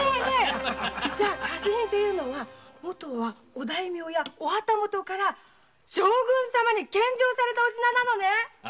じゃあ下賜品ていうのはもとはお大名やお旗本から将軍様に献上されたお品なのね。